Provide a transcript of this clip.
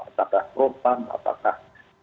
apakah propam apakah